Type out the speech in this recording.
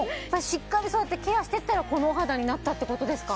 しっかりそうやってケアしてったらこのお肌になったってことですか？